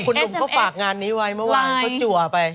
คุณหนุ่มเขาฝากงานนี้ไว้เมื่อวานเขาจัวไป